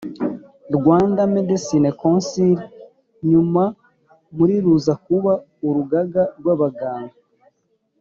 Rwanda Medical Council nyuma muri ruza kuba Urugaga rw Abaganga